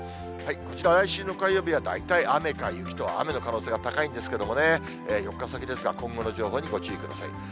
こちら、来週の火曜日は大体雨か雪と、雨の可能性が高いんですけれどもね、４日先ですが、今後の情報にご注意ください。